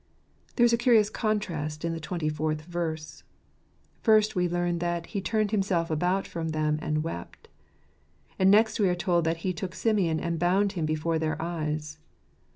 There is a curious contrast in the twenty fourth verse. First, we learn that " he turned himself about from them and wept n ; and next we are told that he " took Simeon and bound him before their eyes."